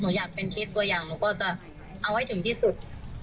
อยากเป็นเคสตัวอย่างหนูก็จะเอาให้ถึงที่สุด